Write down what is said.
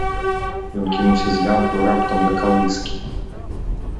Ён кінуўся з лямпаю раптам да калыскі.